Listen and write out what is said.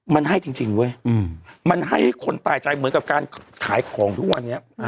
มันให้ให้คนตาใจเหมือนกับการขายของทุกวันนี้